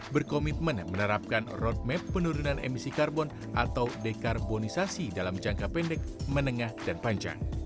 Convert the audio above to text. berkomitmen menerapkan roadmap penurunan emisi karbon atau dekarbonisasi dalam jangka pendek menengah dan panjang